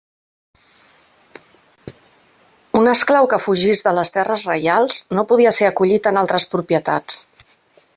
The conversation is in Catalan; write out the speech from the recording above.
Un esclau que fugís de les terres reials, no podia ser acollit en altres propietats.